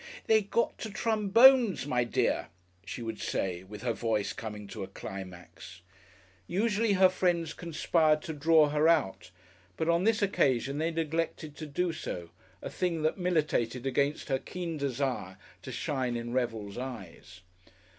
"They got to trombones, my dear!" she would say, with her voice coming to a climax. Usually her friends conspired to draw her out, but on this occasion they neglected to do so, a thing that militated against her keen desire to shine in Revel's eyes.